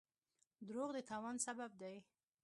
دروغ د تاوان سبب دی.